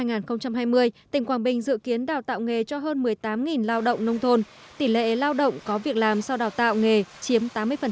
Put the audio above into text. năm hai nghìn hai mươi tỉnh quảng bình dự kiến đào tạo nghề cho hơn một mươi tám lao động nông thôn tỷ lệ lao động có việc làm sau đào tạo nghề chiếm tám mươi